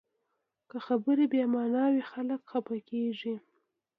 که خبرې بې معنا وي، خلک خفه کېږي